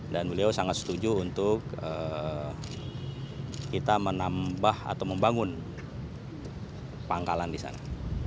dan beliau sangat setuju untuk kita menambah atau membangun pangkalan di sana